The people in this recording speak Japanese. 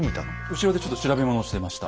後ろでちょっと調べ物をしてました。